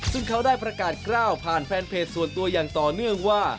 ซึ่งเขาได้ประกาศกล้าวผ่านแฟนเพจส่วนตัวอย่างต่อเนื่องว่า